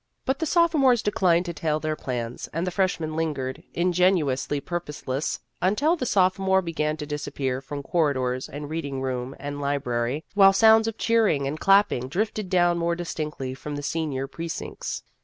But the sophomores declined to tell their plans, and the freshmen lingered, ingenuously purposeless, until the sopho mores began to disappear from corridors and reading room and library, while sounds of cheering and clapping drifted down more distinctly from the senior pre cincts.